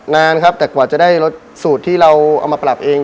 นานครับแต่กว่าจะได้รสสูตรที่เราเอามาปรับเอง